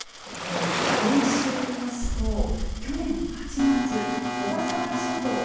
この軽石といいますと、去年８月、小笠原諸島